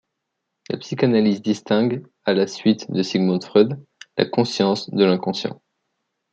La psychanalyse distingue, à la suite de Sigmund Freud, la conscience de l'inconscient.